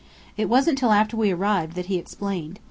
It wasn't till after we arrived that he explained.